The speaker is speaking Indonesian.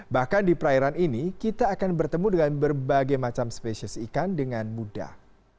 bahkan di perairan ini kita akan bertemu dengan berbagai macam spesies ikan dengan mudah